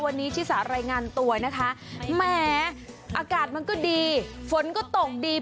วันนี้ชิสารายงานตัวนะคะแหมอากาศมันก็ดีฝนก็ตกดี